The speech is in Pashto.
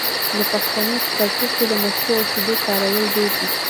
د پښتنو په کلتور کې د مستو او شیدو کارول ډیر دي.